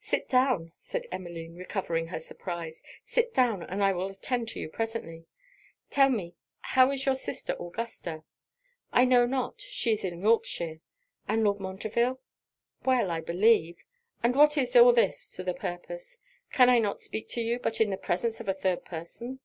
'Sit down' said Emmeline, recovering her surprize; 'sit down, and I will attend you presently. Tell me, how is your sister Augusta?' 'I know not. She is in Yorkshire.' 'And Lord Montreville?' 'Well, I believe. But what is all this to the purpose? can I not speak to you, but in the presence of a third person?'